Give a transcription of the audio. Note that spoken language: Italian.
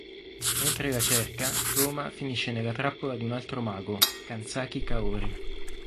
Mentre la cerca, Tōma finisce nella trappola di un altro mago, Kanzaki Kaori.